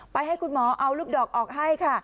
ให้คุณหมอเอาลูกดอกออกให้ค่ะ